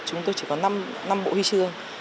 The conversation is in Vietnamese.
chúng tôi chỉ có năm bộ huy chương